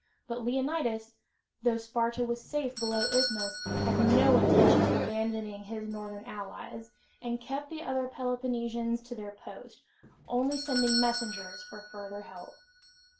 But Leonidas, though Sparta was safe below the Isthmus, had no intention of abandoning his northern allies, and kept the other Peloponnesians to their posts, only sending messengers for further help.